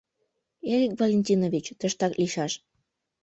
— Эрик Валентинович тыштак лийшаш.